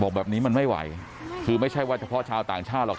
บอกแบบนี้มันไม่ไหวคือไม่ใช่ว่าเฉพาะชาวต่างชาติหรอก